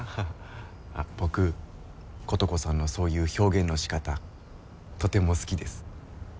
あっ僕琴子さんのそういう表現の仕方とても好きです。